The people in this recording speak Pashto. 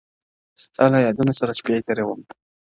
ستا له يـادونـو ســــره شپــــې تېــــروم _